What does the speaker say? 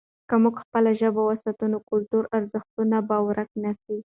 که موږ خپله ژبه وساتو، نو کلتوري ارزښتونه به ورک نه سي.